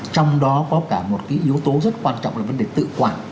trong đó có cả một yếu tố rất quan trọng là vấn đề tự quan